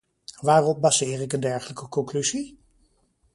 Waarop baseer ik een dergelijke conclusie?